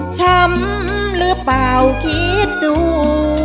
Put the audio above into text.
ช้ำหรือเปล่าคิดดู